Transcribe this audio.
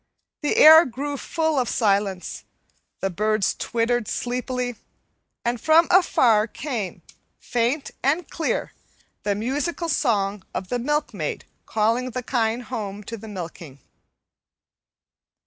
The air grew full of silence, the birds twittered sleepily, and from afar came, faint and clear, the musical song of the milkmaid calling the kine home to the milking.